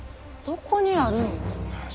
どこにあるんや。